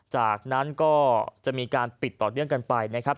จากนั้นก็จะมีการปิดต่อเนื่องกันไปนะครับ